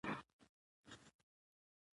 غزني په افغانستان کې د ټولو خلکو د خوښې ځای دی.